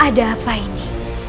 ada apa ini